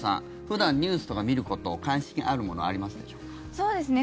普段、ニュースとか見ること関心があるものありますでしょうか。